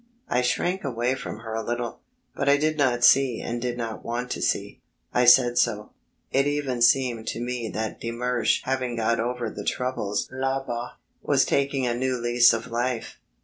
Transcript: I shrank away from her a little but I did not see and did not want to see. I said so. It even seemed to me that de Mersch having got over the troubles là bas, was taking a new lease of life.